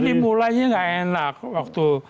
dimulainya gak enak waktu